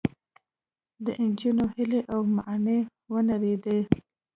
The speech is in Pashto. د نجونو هیلې او ماڼۍ ونړېدې